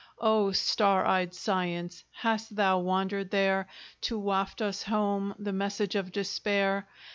O star eyed Science, hast thou wandered there, To waft us home the message of despair?